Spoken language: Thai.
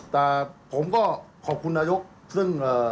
แต่ผมก็ขอบคุณนายกซึ่ง